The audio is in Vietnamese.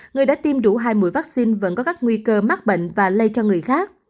người đã tiêm đủ hai mũi vaccine vẫn có các nguy cơ mắc bệnh và lây cho người khác